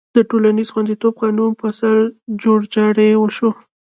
د ټولنیز خوندیتوب قانون پر سر جوړجاړی وشو.